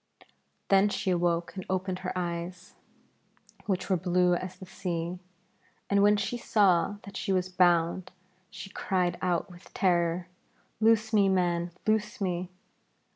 Then she awoke and opened her eyes, which were blue as the sea, and when she saw that she was bound, she cried out with terror, 'Loose me, man, loose me!'